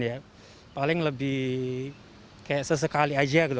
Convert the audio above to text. ya paling lebih kayak sesekali aja gitu